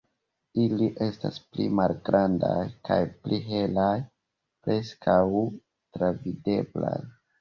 Ili estas pli malgrandaj kaj pli helaj, preskaŭ travideblaj.